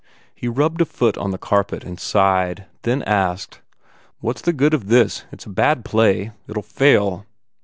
He rubbed a foot on the carpet and sighed, then asked, "What s the good of this? It s a bad play. It ll fair.